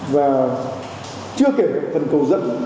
và chưa kể phần cầu dẫn